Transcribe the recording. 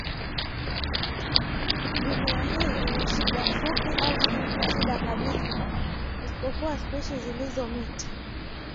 Mimea hii ina shina fupi au haina shina kabisa, isipokuwa spishi zilizo miti.